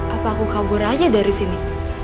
apa aku kabur aja dari sini